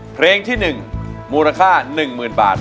เพลงที่๑มูลค่า๑๐๐๐บาท